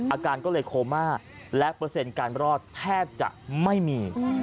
อาการก็เลยโคม่าและเปอร์เซ็นต์การรอดแทบจะไม่มี